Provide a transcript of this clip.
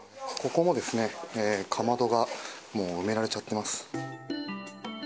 ここもですね、かまどがもう、埋められちゃってます。